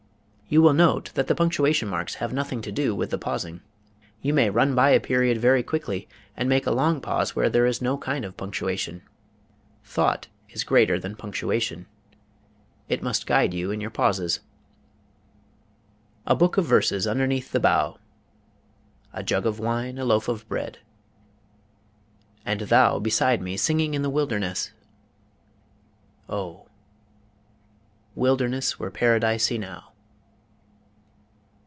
You will note that the punctuation marks have nothing to do with the pausing. You may run by a period very quickly and make a long pause where there is no kind of punctuation. Thought is greater than punctuation. It must guide you in your pauses. A book of verses underneath the bough, a jug of wine, a loaf of bread and thou beside me singing in the wilderness Oh wilderness were paradise enow.